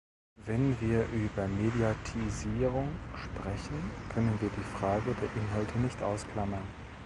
Wenn wir über Mediatisierung sprechen, können wir die Frage der Inhalte nicht ausklammern.